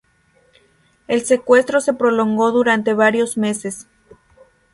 El secuestro se prolongó durante varios meses.